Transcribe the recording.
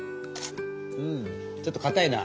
うんちょっとかたいな。